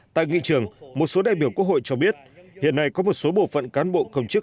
tại nghị trường một số đại biểu quốc hội cho biết hiện nay có một số bộ phận cán bộ công chức